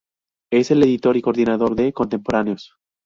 Es el editor y coordinador de "Contemporáneos.